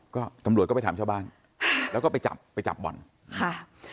ก็ตำรวจก็ไปถามชาวบ้านแล้วก็ไปจับไปจับบ่อนค่ะ